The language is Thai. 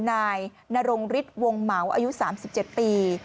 นายนรงฤทธิ์วงเหมาอายุ๓๗ปี